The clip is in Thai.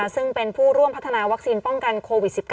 ซึ่งเป็นผู้ร่วมพัฒนาวัคซีนป้องกันโควิด๑๙